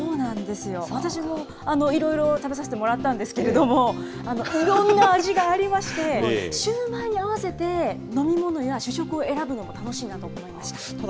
私もいろいろ食べさせてもらったんですけれども、いろんな味がありまして、シューマイに合わせて、飲み物や主食を選ぶのも楽しいなと思いました。